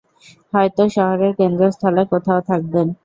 হয়তো শহরের কেন্দ্রস্থলে কোথাও থাকবেন।